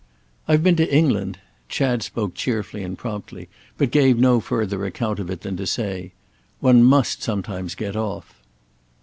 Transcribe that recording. "I've been to England." Chad spoke cheerfully and promptly, but gave no further account of it than to say: "One must sometimes get off."